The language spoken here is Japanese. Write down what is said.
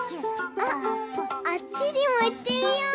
あっあっちにもいってみよう！